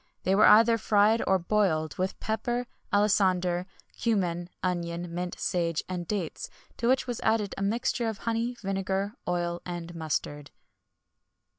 [XXI 107] They were either fried or boiled, with pepper, alisander, cummin, onion, mint, sage, and dates, to which was added a mixture of honey, vinegar, oil, and mustard.